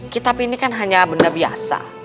kitab ini kan hanya benda biasa